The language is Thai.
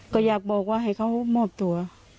ก็อยากบอกว่าให้เขามอบตัว